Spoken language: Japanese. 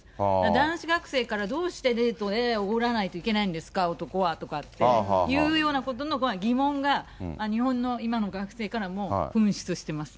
男子学生からなんでデートでおごらないといけないんですか、男はとかっていうようなことの疑問が、日本の今の学生からも噴出してますね。